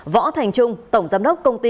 võ thành trung tổng giám đốc công ty